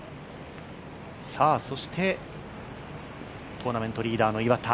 そしてトーナメントリーダーの岩田。